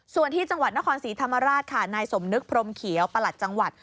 ส่วนที่จังหวัดนครศรีธรรมราชค่ะนายสมนึกพรมเขียวประหลัดจังหวัด